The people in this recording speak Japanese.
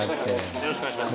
よろしくお願いします